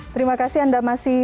terima kasih anda masih